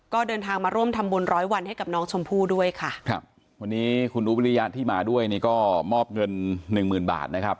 ก็เดินทางมาร่วมทำบุญร้อยวันให้กับน้องชมพู่ด้วยค่ะครับวันนี้คุณอุบริยะที่มาด้วยนี่ก็มอบเงินหนึ่งหมื่นบาทนะครับ